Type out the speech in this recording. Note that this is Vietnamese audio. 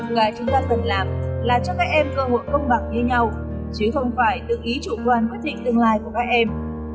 mà chúng ta cần làm là cho các em cơ hội công bằng như nhau chứ không phải tự ý chủ quan quyết định tương lai của các em